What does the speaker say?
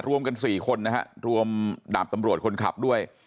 รวมกัน๔คนนะฮะรวมดาบตำรวจคนขับด้วย